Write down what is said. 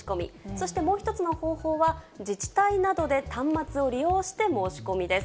そしてもう１つの方法は、自治体などで端末を利用して申し込みです。